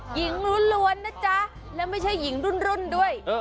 ล้วนนะจ๊ะและไม่ใช่หญิงรุ่นด้วย